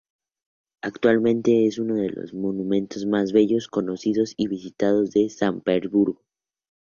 Actualmente es uno de los monumentos más bellos, conocidos y visitados de San Petersburgo.